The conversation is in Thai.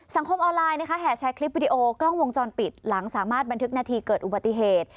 ออนไลน์นะคะแห่แชร์คลิปวิดีโอกล้องวงจรปิดหลังสามารถบันทึกนาทีเกิดอุบัติเหตุ